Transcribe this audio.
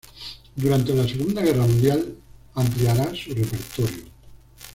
Durante la Segunda Guerra Mundial ampliará su repertorio.